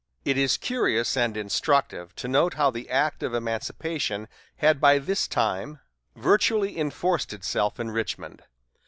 It is curious and instructive to note how the act of emancipation had by this time virtually enforced itself in Richmond.